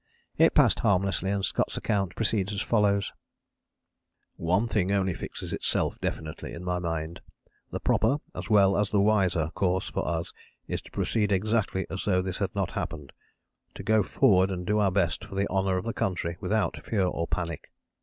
It passed harmlessly; and Scott's account proceeds as follows: "One thing only fixes itself definitely in my mind. The proper, as well as the wiser, course for us is to proceed exactly as though this had not happened. To go forward and do our best for the honour of the country without fear or panic.